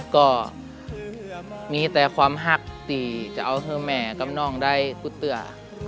ก็มีแต่ความหักที่จะเอาให้แม่กับน้องได้ตุดเตื้อ